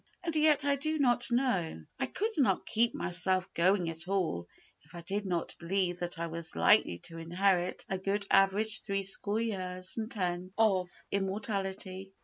And yet I do not know—I could not keep myself going at all if I did not believe that I was likely to inherit a good average three score years and ten of immortality.